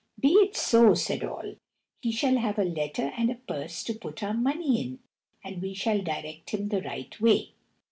"Be it so," said all; "he shall have a letter and a purse to put our money in, and we shall direct him the right way."